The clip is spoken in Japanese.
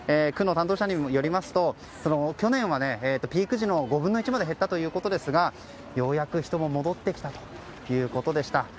区の担当者によりますと去年はピーク時の５分の１まで減ったということですがようやく人も戻ってきたということでした。